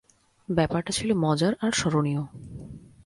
ব্যাপারটা ছিল মজার আর স্মরণীয়।